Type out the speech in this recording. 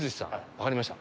わかりました。